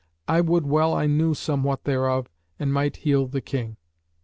I would well I knew somewhat thereof and might heal the King."